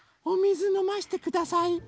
おみずのましてください。